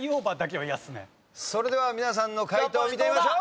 それでは皆さんの解答を見てみましょう。